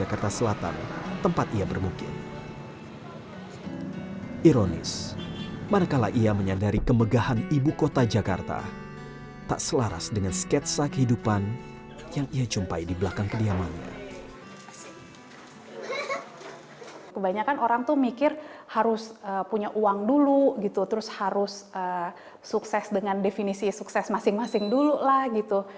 kebanyakan orang itu mikir harus punya uang dulu terus harus sukses dengan definisi sukses masing masing dulu lah gitu